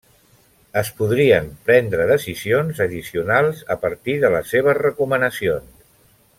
Es podrien prendre decisions addicionals a partir de les seves recomanacions.